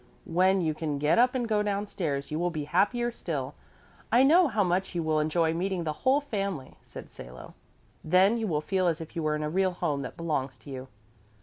"When you can get up and go downstairs you will be happier still. I know how much you will enjoy meeting the whole family," said Salo. "Then you will feel as if you were in a real home that belongs to you."